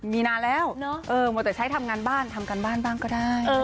มีนานแล้วมัวแต่ใช้ทำงานบ้านทำการบ้านบ้างก็ได้